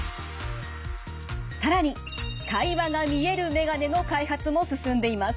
更に会話が見える眼鏡の開発も進んでいます。